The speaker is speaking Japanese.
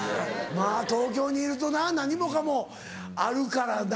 まぁ東京にいるとな何もかもあるからな。